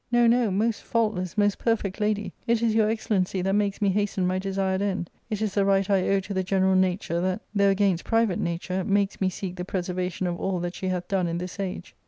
No, no, most faultless, most perfect lady, it is your excellency that makes me hasten my desired end ; it is the right I owe to the general nature that, though against private nature, makes me seek the pre servation of all that she hath done in this age.